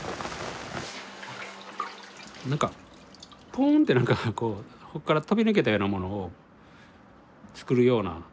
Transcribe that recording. なんかポーンってなんかここから飛び抜けたようなものを作るような。